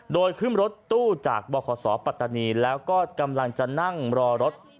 โดยขึ้นรถตู้จากบขศปัตตานีแล้วก็กำลังจะนั่งรอรถ